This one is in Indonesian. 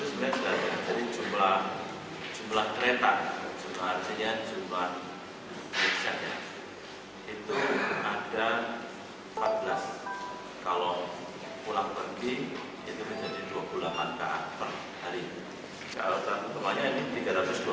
penambahan perjalanan kereta api tambahan tersebut akan mulai dioperasionalkan pada tanggal delapan belas desember dua ribu enam belas hingga delapan januari dua ribu tujuh belas